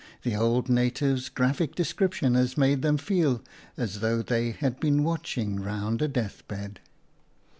The old native's graphic description has made them feel as though they had been watching round a death bed.